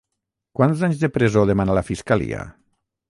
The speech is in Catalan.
Quants anys de presó demana la fiscalia?